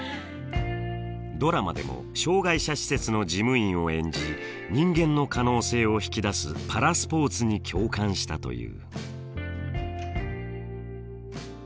ドラマでも障害者施設の事務員を演じ人間の可能性を引き出すパラスポーツに共感したという。